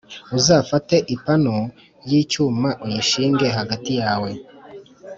Uzafate ipanu y’icyuma uyishinge hagati yawe